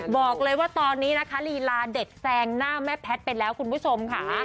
บอกเลยว่าตอนนี้นะคะลีลาเด็ดแซงหน้าแม่แพทย์ไปแล้วคุณผู้ชมค่ะ